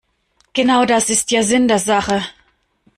Genau das ist ja Sinn der Sache.